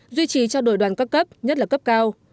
duy trì trao đổi đoàn các cấp nhất là cấp cao